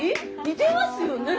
似てますよね！